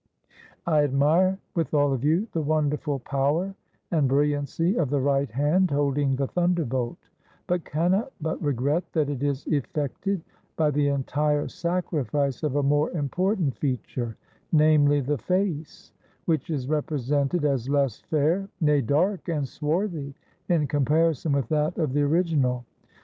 I admire, with all of you, the wonderful power and brilliancy of the right hand holding the thunderbolt, but cannot but regret that it is effected by the entire sacrifice of a more important feature, namely, the face, which is repre sented as less fair, nay, dark and swarthy, in compari son with that of the original.